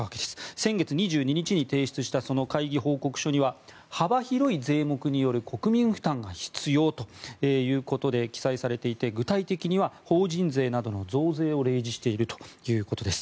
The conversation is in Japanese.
先月２２日に提出したその会議報告書には幅広い税目による国民負担が必要ということで記載されていて具体的には法人税などの増税を例示しているということです。